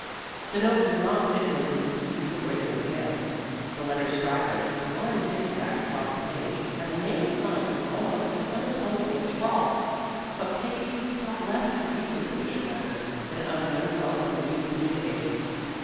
The note was not written in Lucy's usual regular hand. The letters straggled, the lines zig zagged across the page, and the name signed was almost an unintelligible scrawl. But Peggy thought less of these superficial matters than of the unwelcome news communicated.